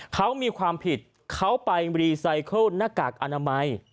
เขามีความผิดเขาไปรีไซเคิลหน้ากากอนามัย